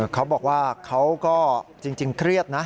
เขาบอกว่าเขาก็จริงเครียดนะ